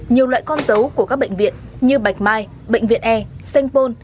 nhiều loại con dấu của các bệnh viện như bạch mai bệnh viện e sengpon